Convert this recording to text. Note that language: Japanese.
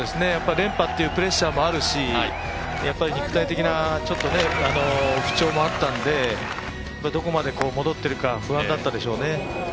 連覇というプレッシャーもあるし、肉体的な不調もあったんでどこまで戻っているか不安だったでしょうね。